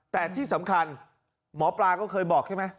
แต่ที่สำคัญหมอปลาก็เคยบอกใช่ไหม